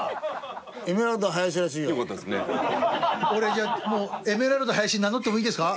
俺じゃあもうエメラルド林名乗ってもいいですか？